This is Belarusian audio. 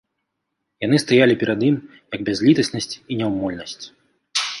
Яны стаялі перад ім, як бязлітаснасць і няўмольнасць.